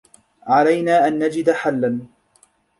علينا أن نجد حلاّ.